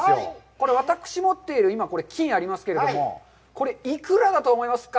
これ、私持っている金ありますけども、これ、幾らだと思いますか？